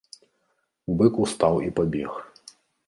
Бык устаў і пабег.